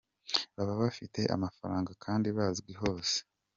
Baba bafite amafaranga kandi bazwi hose.